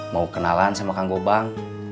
mau kenalan sama kang gobang